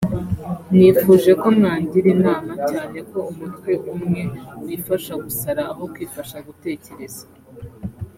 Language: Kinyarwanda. nifuje ko mwangira inama cyane ko umutwe umwe wifasha gusara aho kwifasha gutekereza